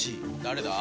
誰だ？